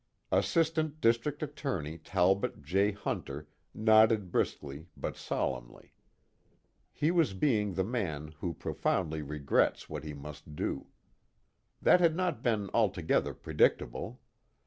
Assistant District Attorney Talbot J. Hunter nodded briskly but solemnly: he was being the man who profoundly regrets what he must do. That had not been altogether predictable.